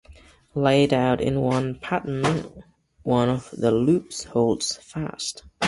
Laid out in one pattern, one of the loops holds fast.